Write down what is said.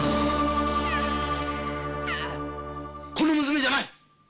この娘じゃない！